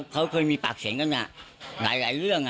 เขาเคยมีปากเสียงกันหลายเรื่อง